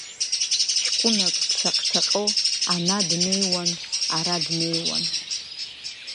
Ҷкәынак дшаҟь-шаҟьо ана днеиуан, ара днеиуан.